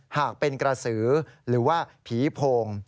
หากเป็นกระสือหรือว่าผีโพง